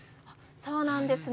そうなんですね。